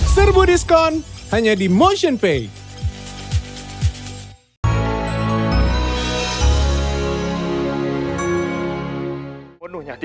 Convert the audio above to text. serbu diskon hanya di motionpay